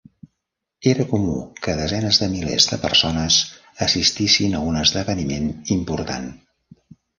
Era comú que desenes de milers de persones assistissin a un esdeveniment important.